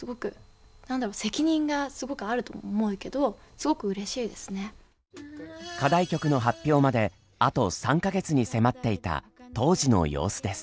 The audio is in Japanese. すごく何だろ課題曲の発表まであと３か月に迫っていた当時の様子です。